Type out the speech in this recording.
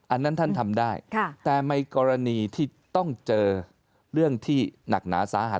อันนั้นท่านทำได้แต่ในกรณีที่ต้องเจอเรื่องที่หนักหนาสาหัส